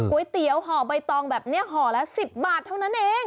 ก๋วยเตี๋ยวห่อใบตองแบบนี้ห่อละ๑๐บาทเท่านั้นเอง